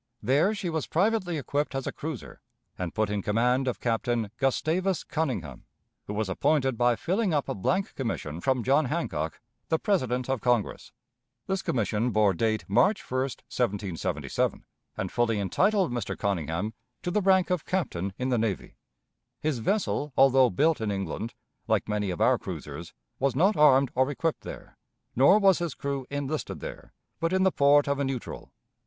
There she was privately equipped as a cruiser, and put in command of Captain Gustavus Conyngham, who was appointed by filling up a blank commission from John Hancock, the President of Congress. This commission bore date March 1, 1777, and fully entitled Mr. Conyngham to the rank of captain in the navy. His vessel, although built in England, like many of our cruisers, was not armed or equipped there, nor was his crew enlisted there, but in the port of a neutral.